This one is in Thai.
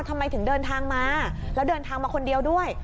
ทำไมถึงเดินทางมาแล้วเดินทางมาคนเดียวด้วย